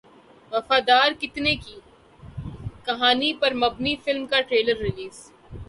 وفادار کتے کی کہانی پر مبنی فلم کا ٹریلر ریلیز